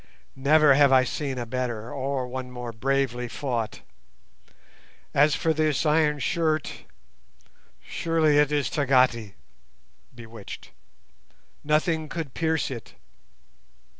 Never have I seen a better, or one more bravely fought. As for this iron shirt, surely it is 'tagati' [bewitched]; nothing could pierce it.